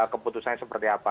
keputusannya seperti apa